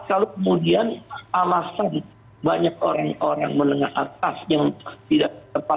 kalau kemudian alasan banyak orang orang menengah atas yang tidak tepat